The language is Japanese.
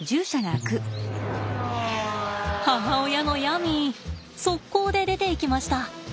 母親のヤミー速攻で出ていきました！